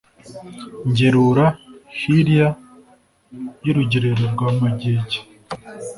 Ngeruka hilya yurugerero rwa Magege